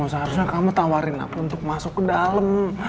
seharusnya kamu tawarin aku untuk masuk ke dalam